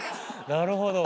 なるほど。